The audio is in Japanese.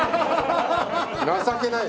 情けないよ！